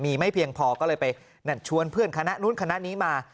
มีไม่เพียงพอก็เลยไปชวนเพื่อนคณะนู้นคณะนี้มา